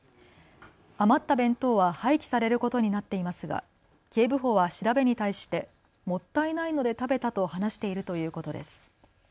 余った弁当は廃棄されることになっていますが、警部補は調べに対してもったいないので食べたと話しているということです。